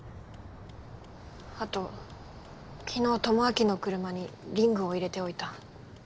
あと昨日智明の車にリングを入れておいた。